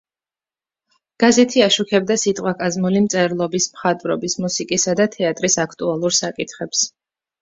გაზეთი აშუქებდა სიტყვაკაზმული მწერლობის, მხატვრობის, მუსიკისა და თეატრის აქტუალურ საკითხებს.